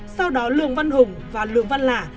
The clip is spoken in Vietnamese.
sau đó lường văn hùng và lường văn lả